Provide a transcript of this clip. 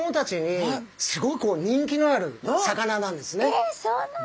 えっそうなんだ！